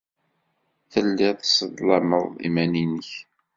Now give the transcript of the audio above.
Telliḍ tesseḍlameḍ iman-nnek.